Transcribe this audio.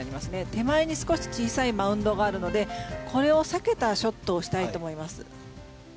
手前に少し小さいマウンドがあるのでこれを避けたショットをしたいと思います。